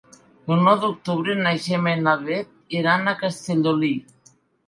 El nou d'octubre na Gemma i na Bet iran a Castellolí.